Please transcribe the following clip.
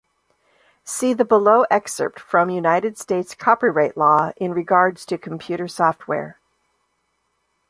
See the below excerpt from United States Copyright Law in regards to computer software.